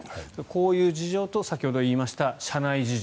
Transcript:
こういう事情と先ほど言いました社内事情。